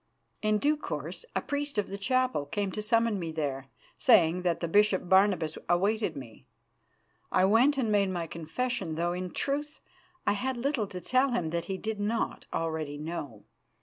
In due course a priest of the chapel came to summon me there, saying that the Bishop Barnabas awaited me. I went and made my confession, though in truth I had little to tell him that he did not already know.